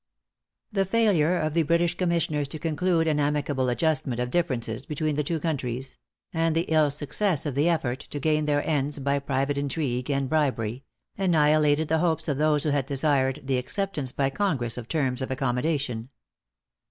|The failure of the British commissioners to conclude an amicable adjustment of differences between the two countries and the ill success of the effort to gain their ends by private intrigue and bribery annihilated the hopes of those who had desired the acceptance by Congress of terms of accommodation.